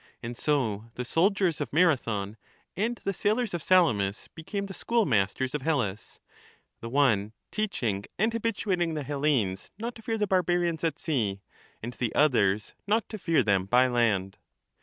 And so the soldiers of Mara thon and the sailors of Salamis became the schoolmasters of Hellas ; the one teaching and habituating the Hellenes not to fear the barbarians at sea, and the others not to fear them by land.